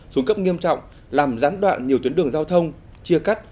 xuống cấp nghiêm trọng làm gián đoạn nhiều tuyến đường giao thông chia cắt